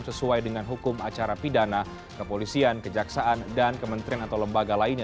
sesuai dengan hukum acara pidana kepolisian kejaksaan dan kementerian atau lembaga lainnya